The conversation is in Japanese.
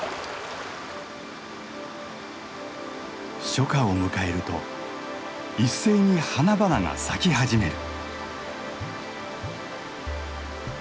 初夏を迎えると一斉に花々が咲き始める。